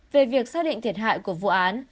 về việc xác định thiệt hại của vụ án